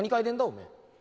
おめえ。